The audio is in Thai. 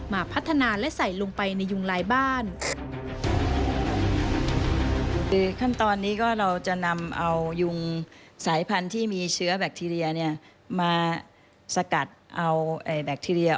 มาพัฒนาและใส่ลงไปในยุงลายบ้าน